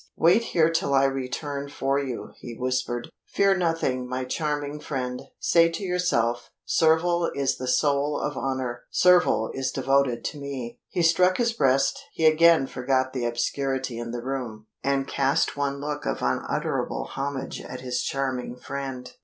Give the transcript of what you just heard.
"Wait here till I return for you," he whispered. "Fear nothing, my charming friend. Say to yourself, 'Surville is the soul of honor! Surville is devoted to me!'" He struck his breast; he again forgot the obscurity in the room, and cast one look of unutterable homage at his charming friend.